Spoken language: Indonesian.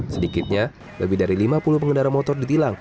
sedikitnya lebih dari lima puluh pengendara motor ditilang